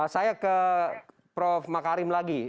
saya ke prof makarim lagi